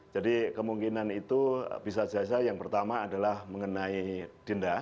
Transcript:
jadi kemungkinan itu bisa jelas jelas yang pertama adalah mengenai denda